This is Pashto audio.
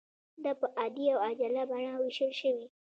دا په عادي او عاجله بڼه ویشل شوې.